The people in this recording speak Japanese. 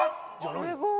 すごい。